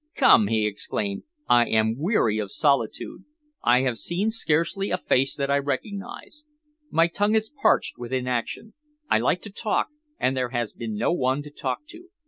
"Come," he exclaimed, "I am weary of solitude! I have seen scarcely a face that I recognise. My tongue is parched with inaction. I like to talk, and there has been no one to talk to.